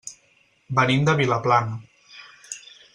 Venim de Vilaplana.